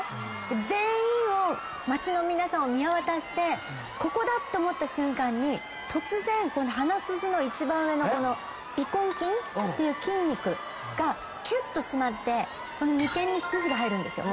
全員を街の皆さんを見渡してここだ！って思った瞬間に突然鼻筋の一番上のこの鼻根筋っていう筋肉がきゅっと締まって眉間に筋が入るんですよ。